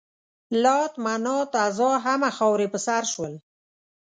لات، منات، عزا همه خاورې په سر شول.